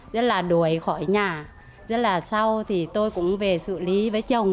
rất là đuổi khỏi nhà rất là sau thì tôi cũng về xử lý với chồng